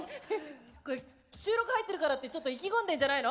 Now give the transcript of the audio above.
これ収録入ってるからってちょっと意気込んでんじゃないの？